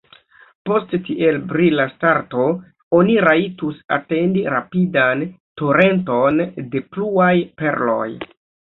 Post tiel brila starto oni rajtus atendi rapidan torenton de pluaj perloj.